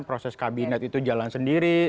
proses kabinet itu jalan sendiri